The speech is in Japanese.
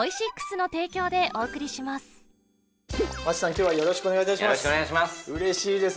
今日はよろしくお願いいたします